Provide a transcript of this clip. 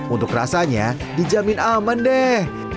untuk rasanya dijamin aman deh